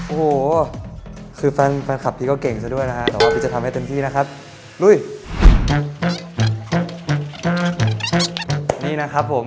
โอ้โหคือแฟนแฟนคลับพี่ก็เก่งซะด้วยนะฮะแต่ว่าพี่จะทำให้เต็มที่นะครับลุยนี่นะครับผม